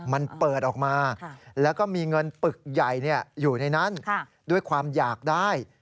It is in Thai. มันเปิดออกมาแล้วก็มีเงินปึกใหญ่อยู่ในนั้นด้วยความอยากได้